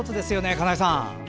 金井さん。